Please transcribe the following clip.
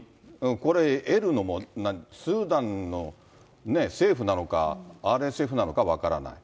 これ、得るのもスーダンの政府なのか、ＲＳＦなのか分からない。